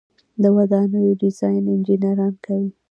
د ودانیو ډیزاین انجنیران کوي